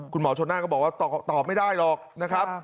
คุณหมอชนน่าก็บอกว่าตอบไม่ได้หรอกนะครับ